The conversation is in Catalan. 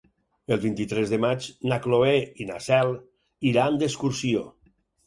El vint-i-tres de maig na Cloè i na Cel iran d'excursió.